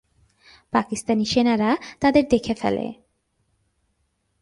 পাকিস্তানি সেনারা তাদের দেখে ফেলে।